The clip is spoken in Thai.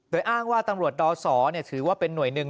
โดยอ้างว่าตำรวจดศถือว่าเป็นหน่วยหนึ่ง